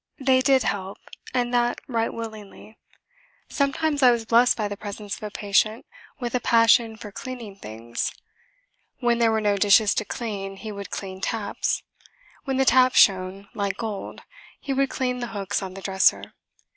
They did help, and that right willingly. Sometimes I was blessed by the presence of a patient with a passion for cleaning things. When there were no dishes to clean he would clean taps. When the taps shone like gold he would clean the hooks on the dresser.